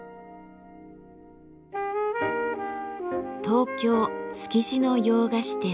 東京・築地の洋菓子店。